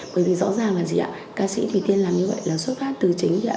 bởi vì rõ ràng là gì ạ ca sĩ thì tiên làm như vậy là xuất phát từ chính